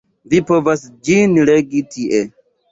Vi povas ĝin legi tie.